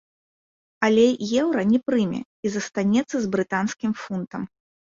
Але еўра не прыме і застанецца з брытанскім фунтам.